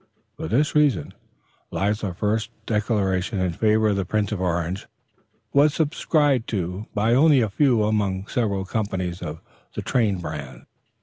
For this reason, Leisler's first declaration in favor of the Prince of Orange was subscribed by only a few among several companies of the train bands.